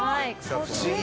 不思議。